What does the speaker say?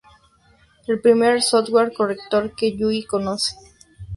El primer software Corrector que Yui conoce.